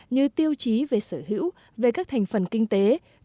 như tiêu chí về sở hữu về các thành phần kinh tế